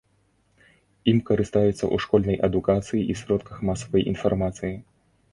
Ім карыстаюцца ў школьнай адукацыі і сродках масавай інфармацыі.